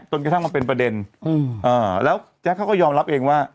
กระทั่งมาเป็นประเด็นแล้วแจ๊คเขาก็ยอมรับเองว่า